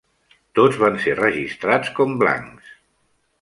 Tots van ser registrats com blancs.